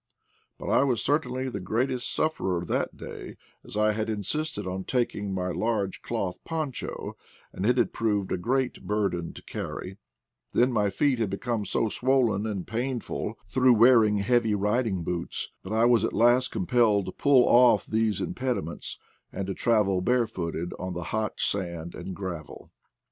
But I was certainly the great est sufferer that day, as I had insisted on taking my large cloth poncho, and it proved a great bur den to carry; then my feet had become so swollen and painful, through wearing heavy riding boots, that I was at last compelled to pull off these im pediments, and to travel barefooted on the hot sand and gravel.